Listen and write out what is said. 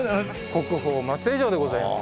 国宝松江城でございます。